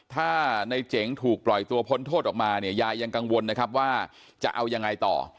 ถ้าในเจ๋งถูกปล่อยตัวพ้นโทษออกมาเนี่ยยายยังกังวลนะครับว่าจะเอายังไงต่อ